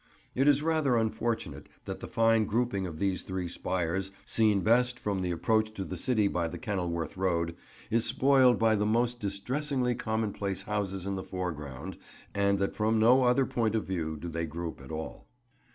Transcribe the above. It is rather unfortunate that the fine grouping of these three spires, seen best from the approach to the city by the Kenilworth road, is spoiled by the most distressingly commonplace houses in the foreground; and that from no other point of view do they group at all.